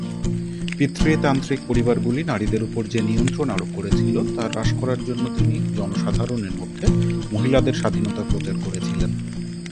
পিতৃতান্ত্রিক পরিবারগুলি নারীদের উপর যে নিয়ন্ত্রণ আরোপ করেছিল তা হ্রাস করার জন্য তিনি জনসাধারণের মধ্যে মহিলাদের স্বাধীনতার প্রচার করেছিলেন।